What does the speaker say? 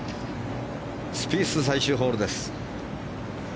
スピース、最終ホールです。